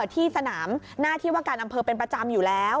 ที่สนามหน้าที่ว่าการอำเภอเป็นประจำอยู่แล้ว